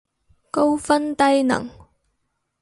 高分低能